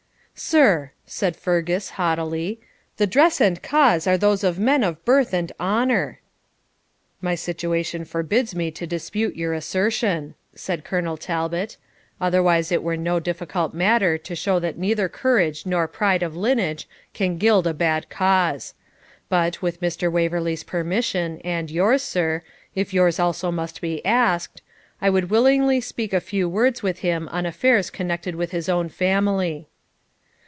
'Sir,' said Fergus, haughtily, 'the dress and cause are those of men of birth and honour.' 'My situation forbids me to dispute your assertion,' said Colonel Talbot; 'otherwise it were no difficult matter to show that neither courage nor pride of lineage can gild a bad cause. But, with Mr. Waverley's permission and yours, sir, if yours also must be asked, I would willingly speak a few words with him on affairs connected with his own family.'